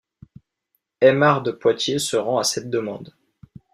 Aimar de Poitiers se rend à cette demande.